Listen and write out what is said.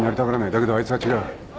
だけどあいつは違う。